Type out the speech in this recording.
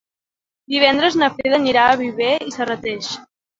Divendres na Frida anirà a Viver i Serrateix.